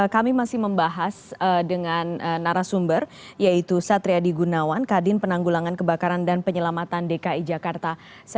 kami masih membahas dengan narasumber yaitu satri adi gunawan kadin penanggulangan kebakaran dan penyelamatan dki jakarta